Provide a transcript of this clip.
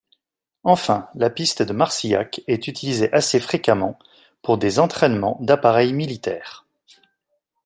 Enfin, la piste de Marcillac est utilisée assez fréquemment pour des entrainements d'appareils militaires.